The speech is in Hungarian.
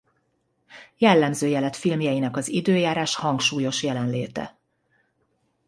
Jellemzője lett filmjeinek az időjárás hangsúlyos jelenléte.